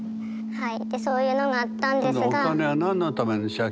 はい。